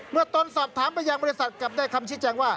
เมื่อต้นสอบถามบริษัทกลับได้คำชิดแจงว่า